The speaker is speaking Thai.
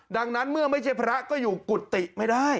ดังนั้นเมื่อไม่ใช่พระก็อยู่กุฏิไม่ได้